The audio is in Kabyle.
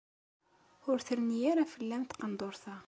Ur terni ara fell-am tqendurt-a.